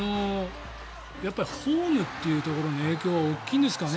ホームというところの影響が大きいんですかね。